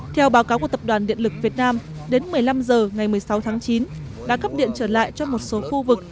theo báo cáo của tập đoàn điện lực việt nam đến một mươi năm h ngày một mươi sáu tháng chín đã cấp điện trở lại cho một số khu vực